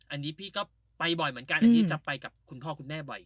อันนี้พี่ก็ไปบ่อยเหมือนกันอันนี้จะไปกับคุณพ่อคุณแม่บ่อย